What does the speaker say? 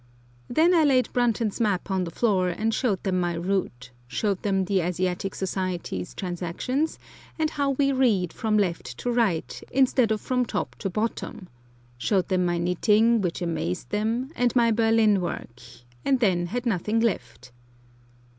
Then I laid Brunton's map on the floor and showed them my route, showed them the Asiatic Society's Transactions, and how we read from left to right, instead of from top to bottom, showed them my knitting, which amazed them, and my Berlin work, and then had nothing left.